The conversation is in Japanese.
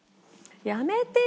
やめてよ！